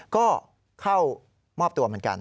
ก็เข้ามอบตัวเหมือนกัน